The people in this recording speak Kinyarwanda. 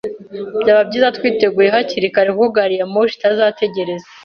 Byaba byiza twiteguye hakiri kare kuko gari ya moshi itazategereza.